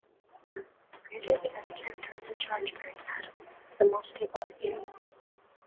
The greater the s-character of the charge-bearing atom, the more stable the anion.